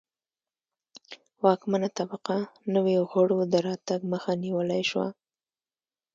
واکمنه طبقه نویو غړو د راتګ مخه نیولای شوه